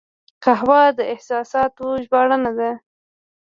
قهوه د احساساتو ژباړن ده